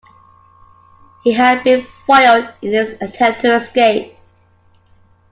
He had been foiled in his attempt to escape.